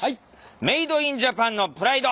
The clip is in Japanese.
「メイドインジャパンのプライド！！」。